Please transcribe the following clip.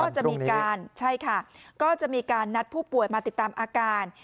ใช่ค่ะก็จะมีการนัดผู้ป่วยมาติดตามอาการ